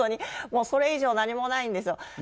それ以上何もないんですよ。